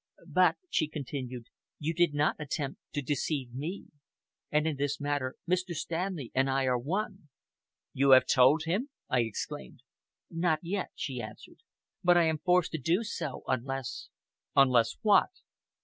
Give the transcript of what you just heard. "But," she continued, "you did not attempt to deceive me. And in this matter, Mr. Stanley and I are one!" "You have told him!" I exclaimed. "Not yet," she answered, "but I am forced to do so, unless " "Unless what?"